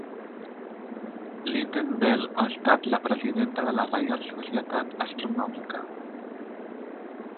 Lynden-Bell ha estat la presidenta de la Reial Societat Astronòmica.